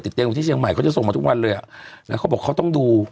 เตียงอยู่ที่เชียงใหม่เขาจะส่งมาทุกวันเลยอ่ะนะเขาบอกเขาต้องดู